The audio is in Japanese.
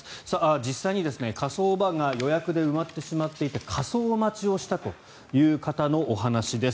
実際に火葬場が予約で埋まってしまっていて火葬待ちをしたという方のお話です。